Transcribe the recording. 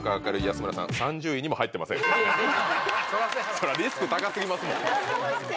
そりゃリスク高過ぎますもん。